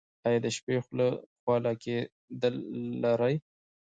ایا د شپې خوله کیدل لرئ؟